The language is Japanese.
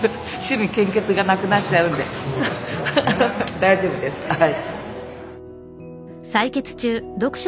大丈夫ですはい。